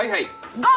ゴー！